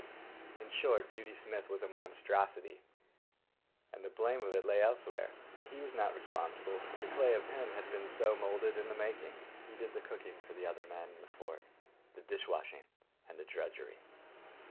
In short, Beauty Smith was a monstrosity, and the blame of it lay elsewhere. He was not responsible. The clay of him had been so moulded in the making. He did the cooking for the other men in the fort, the dish washing and the drudgery.